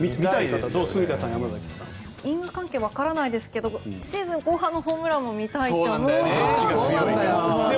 因果関係はわからないですがシーズン後半のホームランも見たいと思うと。